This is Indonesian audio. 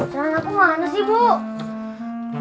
sekarang aku mana sih bu